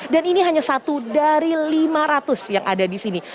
dan ini hanya satu dari lima ratus yang ada di sini